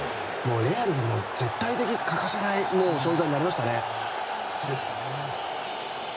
レアルでも絶対的に欠かせない存在になりましたね。